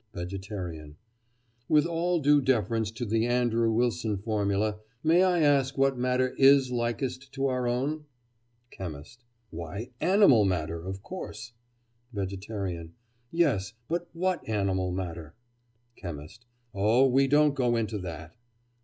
VEGETARIAN: With all due deference to the Andrew Wilson formula, may I ask what matter is likest to our own? CHEMIST: Why, animal matter, of course. VEGETARIAN: Yes, but what animal matter? CHEMIST: Oh, we don't go into that.